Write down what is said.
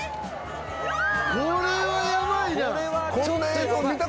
これはヤバいな。